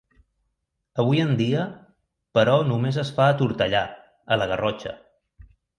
Avui en dia, però només es fa a Tortellà, a la Garrotxa.